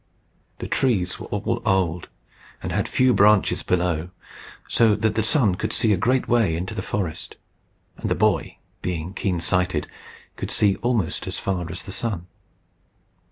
The trees were all old, and had few branches below, so that the sun could see a great way into the forest; and the boy, being keen sighted, could see almost as far as the sun.